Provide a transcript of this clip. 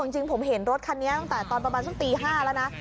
จริงผมเห็นรถคันนี้ตอนประมาณต้องตี๕แล้วนะ